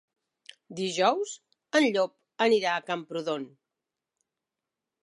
Dijous en Llop anirà a Camprodon.